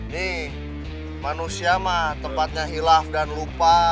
nih manusia mah tempatnya hilaf dan lupa